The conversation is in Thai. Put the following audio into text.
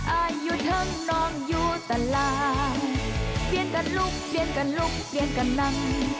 อายุเทิงนองอยู่ตลางเปลี่ยนกันลุกเปลี่ยนกันลุกเปลี่ยนกันนาง